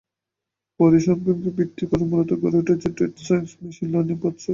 পরিসংখ্যানকে ভিত্তি করেই মূলত গড়ে উঠেছে ডেটা সাইন্স, মেশিন লার্নিং পথচলা।